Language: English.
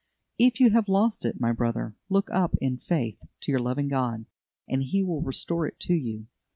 If you have lost it, my brother, look up in faith to your loving God, and He will restore it to you.